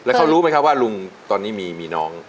แล้วเขารู้ไหมครับว่าลุงตอนนี้มีน้อง